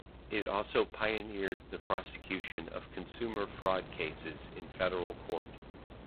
It also pioneered the prosecution of consumer fraud cases in federal court.